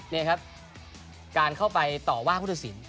นี่ครับการเข้าไปต่อว่าผู้ตัดสิน